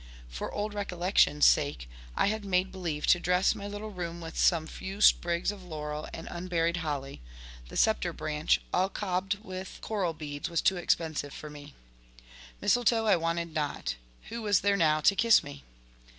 For old recollection's sake, I had made believe to dress my little room with some few sprigs of laurel and unberried holly; the sceptre branch, all cobbed with coral beads, was too expensive for me. Misletoe I wanted not. Who was there now to kiss me?